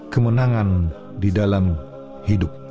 kemenangan di dalam hidup